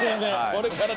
これからだ。